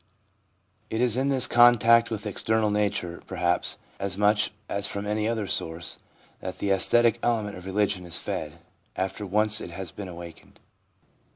It is in this contact with external nature, perhaps, as much as from any other source, that the aesthetic element of religion is fed, after once it has been awakened.